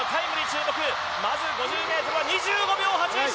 まず５０ｍは２５秒８１！